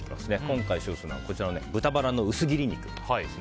今回使用するのは豚バラの薄切り肉です。